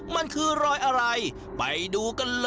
มันคือรอยอะไรไปดูกันเลย